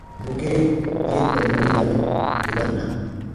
Bù gere yè n tɔmbu wunanɛ, bè ba na.